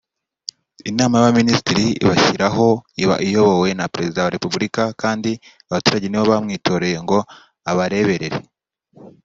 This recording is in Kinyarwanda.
Inama y’Abaminisitiri ibashyiraho iba iyobowe na Perezida wa Repubulika kandi abaturage nibo bamwitoreye ngo abareberere